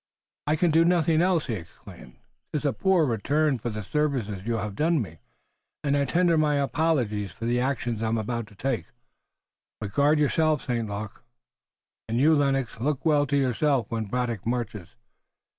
"I can do nothing else!" he exclaimed. "'Tis a poor return for the services you have done me, and I tender my apologies for the action I'm about to take. But guard yourself, St. Luc!" "And you, Lennox, look well to yourself when Braddock marches!